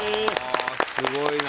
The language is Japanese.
すごいな！